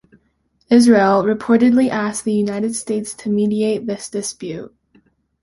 Israel reportedly asked the United States to mediate this dispute.